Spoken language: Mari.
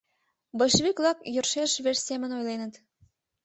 Большевик-влак йӧршеш вес семын ойленыт.